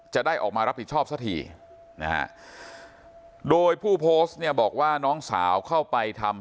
จะได้ออกมารับผิดชอบสักทีนะฮะโดยผู้โพสต์เนี่ยบอกว่าน้องสาวเข้าไปทำ